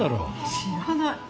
知らない。